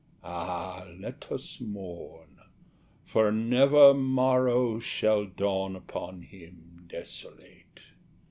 (Ah, let us mourn! for never morrow Shall dawn upon him desolate!)